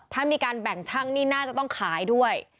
ถ้ามีการแบ่งช่างนี่น่าจะต้องขายด้วย